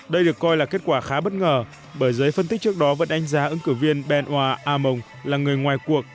đây được coi là kết quả khá bất ngờ bởi giới phân tích trước đó vẫn đánh giá ứng cử viên benoit aymon là người ngoài cuộc